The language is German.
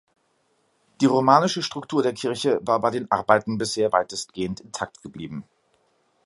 Die romanische Struktur der Kirche war bei den Arbeiten bisher weitestgehend intakt geblieben.